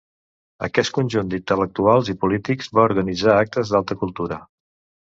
Aquest conjunt d'intel·lectuals i polítics va organitzar actes d'alta cultura.